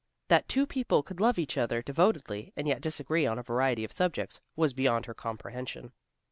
That two people could love each other devotedly, and yet disagree on a variety of subjects, was beyond her comprehension.